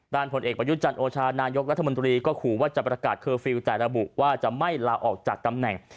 ผลเอกประยุทธ์จันทร์โอชานายกรัฐมนตรีก็ขู่ว่าจะประกาศเคอร์ฟิลล์แต่ระบุว่าจะไม่ลาออกจากตำแหน่ง